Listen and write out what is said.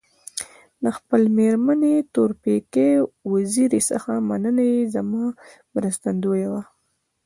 د خپلي مېرمني تورپیکۍ وزيري څخه مننه چي زما مرستندويه وه.